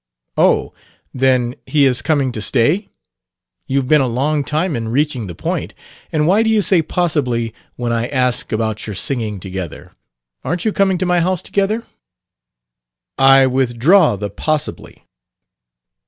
"Oh, then, he is coming to stay? You've been a long time in reaching the point. And why do you say 'possibly' when I ask about your singing together? Aren't you coming to my house 'together'?" "I withdraw the 'possibly.'